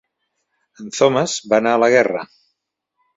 En Thomas va anar a la guerra!